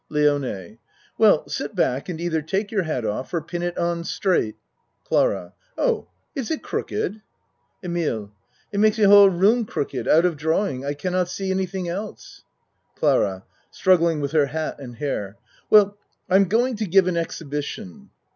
LIONE Well, sit back and either take your hat off or pin it on straight. CLARA Oh, is it crooked? EMILE It make ze whole room crooked out of drawing. I cannot see anything else. CLARA (Struggling with her hat and hair.) Well I'm going to give an exhibition.